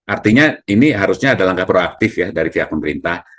artinya ini harusnya ada langkah proaktif ya dari pihak pemerintah